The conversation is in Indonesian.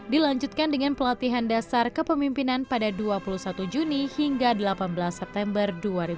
dilanjutkan dengan pelatihan dasar kepemimpinan pada dua puluh satu juni hingga delapan belas september dua ribu dua puluh